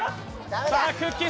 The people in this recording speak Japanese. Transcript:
さあ、くっきー！